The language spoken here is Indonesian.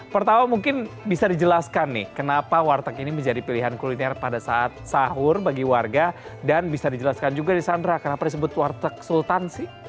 pertama mungkin bisa dijelaskan nih kenapa warteg ini menjadi pilihan kuliner pada saat sahur bagi warga dan bisa dijelaskan juga di sandra kenapa disebut warteg sultan sih